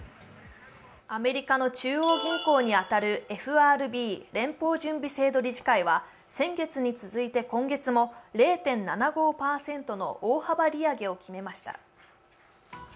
アメリカの中央銀行に当たるＦＲＢ＝連邦準備理事会は先月に続いて今月も０．７５％の大幅利上げを決めました。